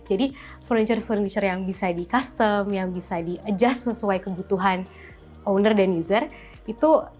jadi furniture furniture yang bisa di custom yang bisa di adjust sesuai kebutuhan owner dan user itu pilihlah furniture furniture seperti itu gitu